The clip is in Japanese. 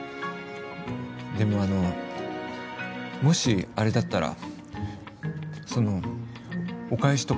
でもあのもしあれだったらそのお返しとか。